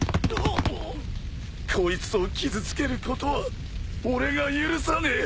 こいつを傷つけることは俺が許さねえ。